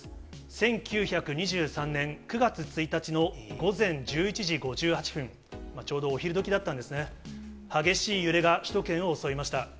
１９２３年９月１日の午前１１時５８分、ちょうどお昼どきだったんですね、激しい揺れが首都圏を襲いました。